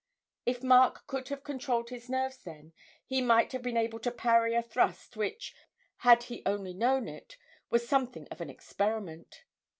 If Mark could have controlled his nerves then, he might have been able to parry a thrust which, had he only known it, was something of an experiment.